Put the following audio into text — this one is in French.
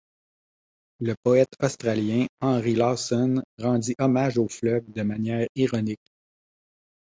Le poète australien Henry Lawson rendit hommage au fleuve de manière ironique.